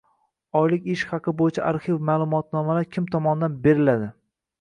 Oylik ish haqi bo‘yicha arxiv ma’lumotnomalar kim tomonidan beriladi?